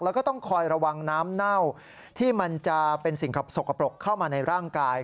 แล้วก็ต้องคอยระวังน้ำเน่าที่มันจะเป็นสิ่งสกปรกเข้ามาในร่างกาย